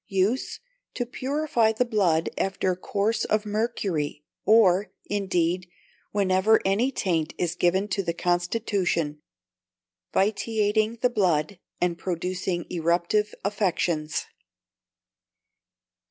Use to purify the blood after a course of mercury; or, indeed, whenever any taint is given to the constitution, vitiating the blood, and producing eruptive affections.